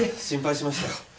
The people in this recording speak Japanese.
心配しましたよ。